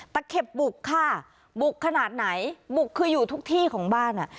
เข็บบุกค่ะบุกขนาดไหนบุกคืออยู่ทุกที่ของบ้านอ่ะ